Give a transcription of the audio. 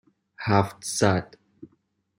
هفتصد